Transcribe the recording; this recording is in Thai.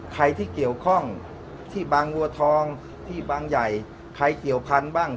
ใครที่เกี่ยวข้องที่บางบัวทองที่บางใหญ่ใครเกี่ยวพันธุ์บ้าง